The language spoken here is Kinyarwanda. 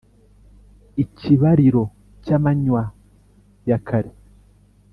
ikibariro cy’amanywa ya kare,